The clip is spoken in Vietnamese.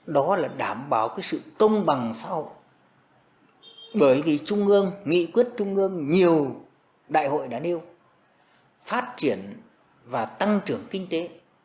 đảm bảo sự tông bằng sau bởi vì trung ương nghị quyết trung ương nhiều đại hội đã nêu phát triển và tăng trưởng kinh tế